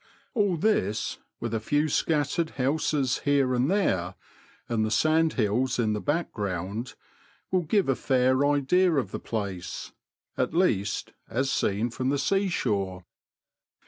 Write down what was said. All this, with a few scattered houses here and there, and the sandhills in the background, will give a fair idea of the place — at least, as seen from the seashore.